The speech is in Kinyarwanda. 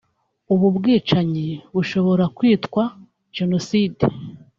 ubu bwicanyi bushobora kwitwa genocide